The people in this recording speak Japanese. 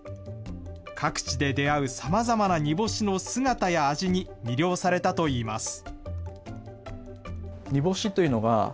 各地で出会うさまざまな煮干しの姿や味に魅了されたといいます。